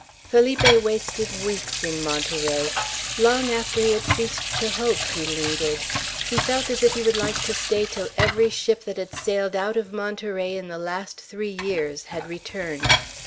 Felipe wasted weeks in Monterey. Long after he had ceased to hope, he lingered. He felt as if he would like to stay till every ship that had sailed out of Monterey in the last three years had returned.